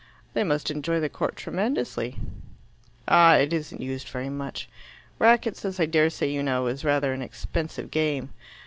"They must enjoy the court tremendously." "Ah, it isn't used very much. Racquets, as I daresay you know, is rather an expensive game.